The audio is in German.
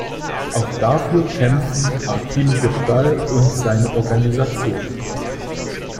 Auch dafür kämpfen Akin Birdal und seine Organisation.